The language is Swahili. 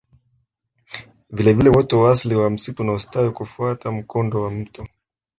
Vile vile uoto wa asili wa msitu unaostawi kufuata mkondo wa mto